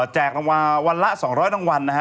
แจกละวันละ๒๐๐รางวัลนะฮะ